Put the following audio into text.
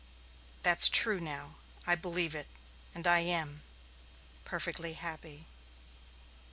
That's true now. I believe it, and I am perfectly happy."